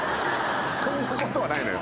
そんなことはないのよ！